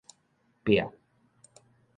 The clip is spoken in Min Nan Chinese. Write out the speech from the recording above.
壁